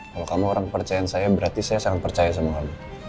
kalau kamu orang kepercayaan saya berarti saya sangat percaya sama allah